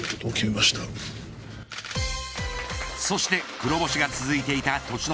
そして黒星が続いていた栃ノ